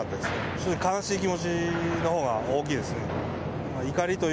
ちょっと悲しい気持ちのほうが大きいですね。